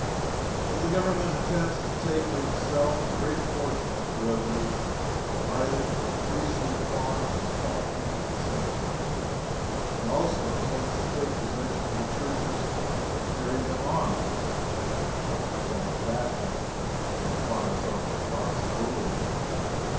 So the Government intends to take to itself a great portion of the revenues arising from priestly farms, factories, etc., and also intends to take possession of the churches and carry them on, after its own fashion and upon its own responsibility.